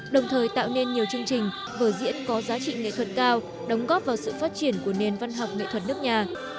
đồng thời tạo nên nhiều chương trình vở diễn có giá trị nghệ thuật cao đóng góp vào sự phát triển của nền văn học nghệ thuật nước nhà